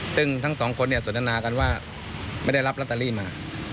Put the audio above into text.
ซึ่งทั้งสองคนสนทนากันว่าไม่ได้รับลอตเตอรี่มา